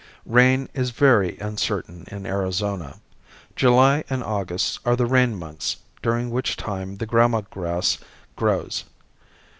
Rain is very uncertain in Arizona. July and August are the rain months during which time the gramma grass grows.